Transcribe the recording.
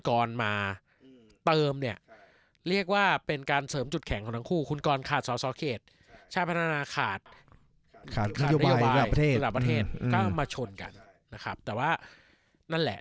ก็มาชนกันนะครับแต่ว่านั่นแหละ